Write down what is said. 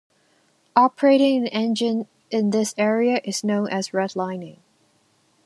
Operating an engine in this area is known as "redlining".